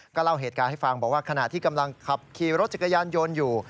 เล่าเหตุการณ์ให้ฟังบอกว่าขณะที่กำลังขับขี่รถจักรยานยนต์อยู่